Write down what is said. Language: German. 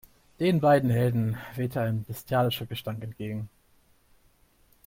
Den beiden Helden wehte ein bestialischer Gestank entgegen.